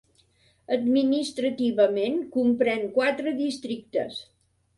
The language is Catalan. Administrativament, comprèn quatre districtes.